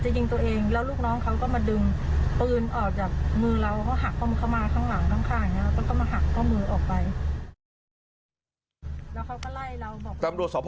เขาหักเขามาข้างหลังข้างข้างแล้วก็มาหักต้องมือออกไป